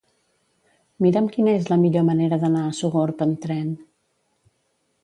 Mira'm quina és la millor manera d'anar a Sogorb amb tren.